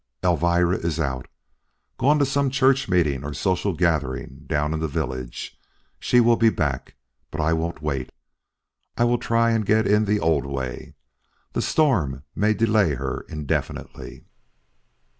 "Elvira is out gone to some church meeting or social gathering down in the village. She will be back. But I won't wait. I will try and get in in the old way. The storm may delay her indefinitely."